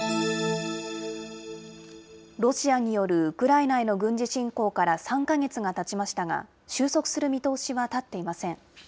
ロシアによるウクライナへの軍事侵攻から３か月がたちましたが、収束する見通しは立っていません。